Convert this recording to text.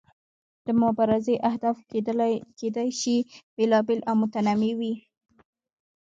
د مبارزې اهداف کیدای شي بیلابیل او متنوع وي.